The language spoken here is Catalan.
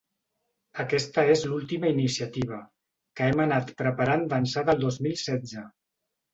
Aquesta és l’última iniciativa, que hem anat preparant d’ençà del dos mil setze.